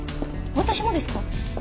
私もですか？